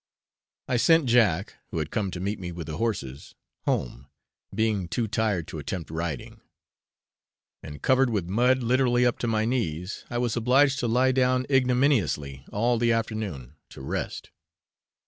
I sent Jack, who had come to meet me with the horses, home, being too tired to attempt riding; and, covered with mud literally up to my knees I was obliged to lie down ignominiously all the afternoon to rest.